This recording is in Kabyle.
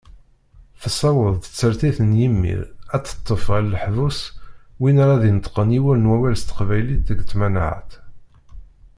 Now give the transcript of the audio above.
Tessaweḍ tsertit n yimir, ad teṭṭef ɣer leḥbus win ara d-ineṭṭqen yiwen n wawal s teqbaylit deg tmanaɣt.